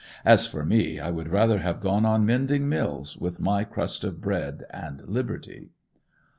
As for me, I would rather have gone on mending mills, with my crust of bread and liberty.